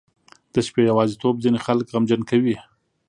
• د شپې یوازیتوب ځینې خلک غمجن کوي.